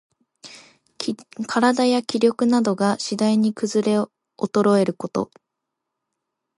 身体や気力などが、しだいにくずれおとろえること。